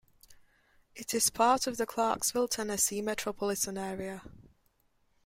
It is part of the Clarksville, Tennessee metropolitan area.